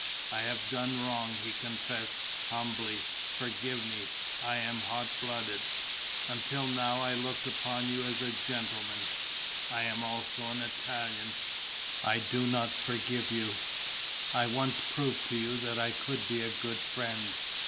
"I have done wrong," he confessed, humbly. "Forgive me. I am hot blooded." "Until now I looked upon you as a gentleman...." "I am also an Italian." "I do not forgive you." "I once proved to you that I could be a good friend."